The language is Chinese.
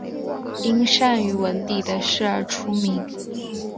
因善于文笔的事而出名。